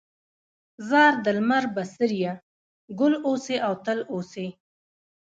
ځار د لمر بڅريه، ګل اوسې او تل اوسې